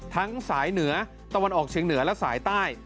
ทั้งสายเหนือตะวันออกเชียงเหนือและสายใต้